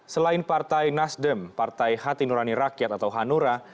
selain partai nasdem partai hati nurani rakyat atau hanura